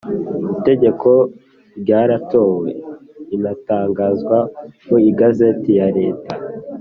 Itegeko ryaratowe rinatangazwa mu igazeti ya Leta